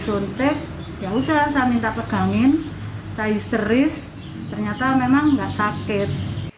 saya histeris ternyata memang nggak sakit